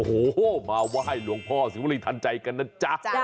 โอ้โหมาว่าให้หลวงพ่อศิวรีย์ธันต์ใจกันน่ะจ๊ะ